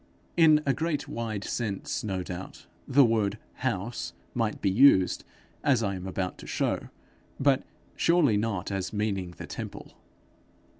In a great wide sense, no doubt, the word house might be used, as I am about to show, but surely not as meaning the temple.